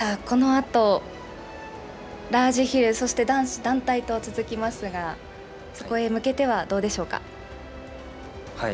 このあとラージヒル、そして男子団体と続きますが、そこへ向けてはどうでしょうか。